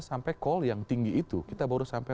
sampai call yang tinggi itu kita baru sampai